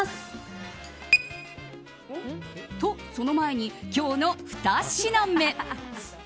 と、その前に今日の２品目。